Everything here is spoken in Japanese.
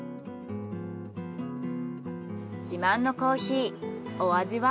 自慢のコーヒーお味は？